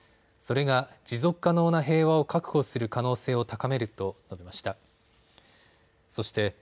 それが持続可能な平和を確保する可能性を高めると述べました。